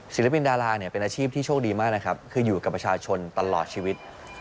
ศิลปินดาราเนี่ยเป็นอาชีพที่โชคดีมากนะครับคืออยู่กับประชาชนตลอดชีวิต